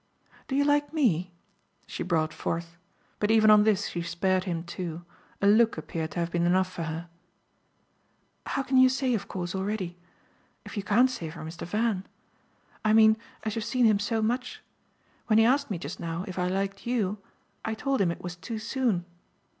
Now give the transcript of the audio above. Do you like ME?" she brought forth. But even on this she spared him too; a look appeared to have been enough for her. "How can you say, of course, already? if you can't say for Mr. Van. I mean as you've seen him so much. When he asked me just now if I liked YOU I told him it was too soon.